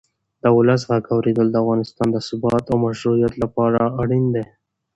د ولس غږ اورېدل د افغانستان د ثبات او مشروعیت لپاره اړین دی